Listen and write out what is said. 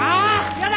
嫌だ！